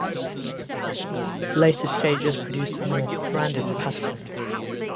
Later stages produce a more random pattern.